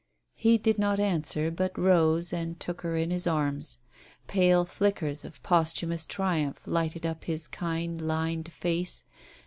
He did not answer, but rose, and took her in his arms. Pale flickers of posthumous triumph lighted up his kind, lined face.